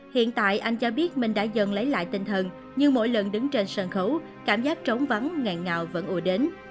hiện tại anh cho biết mình đã dần lấy lại tinh thần nhưng mỗi lần đứng trên sân khấu cảm giác trống vắng ngàn ngào vẫn ủa đến